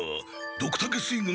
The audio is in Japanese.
ドクタケ水軍